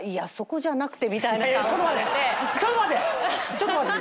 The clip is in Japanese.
ちょっと待て！